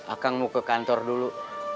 akan mau ke kantor dulu